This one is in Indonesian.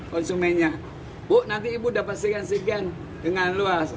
konsumennya bu nanti ibu dapat segen segen dengan luas